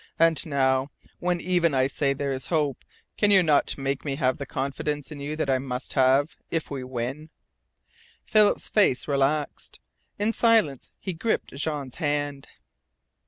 "And now, when even I say there is hope, can you not make me have the confidence in you that I must have if we win?" Philip's face relaxed. In silence he gripped Jean's hand.